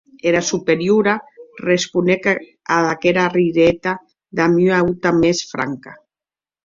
Era Superiora responec ad aquera riseta damb ua auta mens franca.